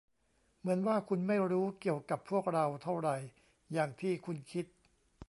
เหมือนว่าคุณไม่รู้เกี่ยวกับพวกเราเท่าไหร่อย่างที่คุณคิด